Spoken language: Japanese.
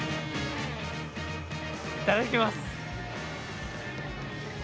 いただきます。